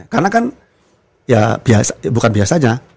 karena kan ya bukan biasanya